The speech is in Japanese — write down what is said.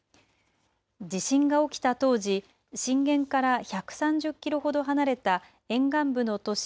地震が起きた当時、震源から１３０キロほど離れた沿岸部の都市